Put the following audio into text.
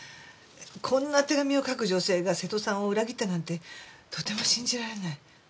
こんな手紙を書く女性が瀬戸さんを裏切ったなんてとても信じられない。